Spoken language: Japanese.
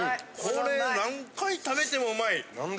これ何回食べてもうまい！